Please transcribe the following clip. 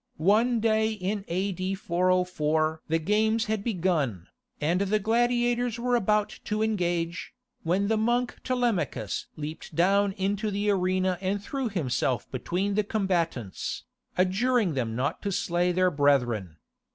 One day in A.D. 404 the games had begun, and the gladiators were about to engage, when the monk Telemachus leapt down into the arena and threw himself between the combatants, adjuring them not to slay their brethren.